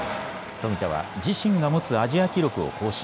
富田は自身が持つアジア記録を更新。